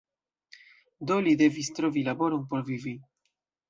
Do li devis trovi laboron por vivi.